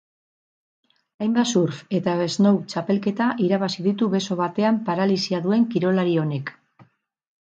Hainbat surf eta snow txapelketa irabazi ditu beso batean paralisia duen kirolari honek.